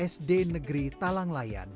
sd negeri talanglayan